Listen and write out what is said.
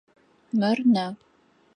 Мыр нэ.